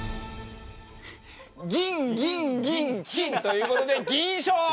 銀銀銀金という事で銀賞！